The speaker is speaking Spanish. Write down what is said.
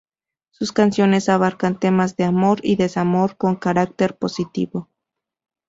Sus canciones abarcan temas de amor y desamor con carácter positivo.